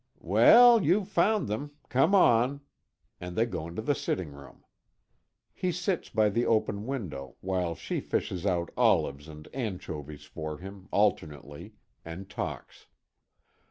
"Well, you've found them; come on;" and they go into the sitting room. He sits by the open window, while she fishes out olives and anchovies for him, alternately, and talks.